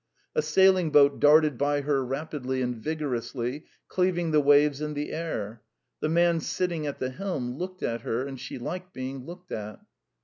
... A sailing boat darted by her rapidly and vigorously, cleaving the waves and the air; the man sitting at the helm looked at her, and she liked being looked at.